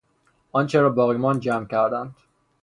آنچه را باقی ماند جمع کردند